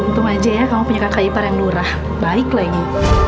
untung aja ya kamu punya kakak ipar yang lurah baik lagi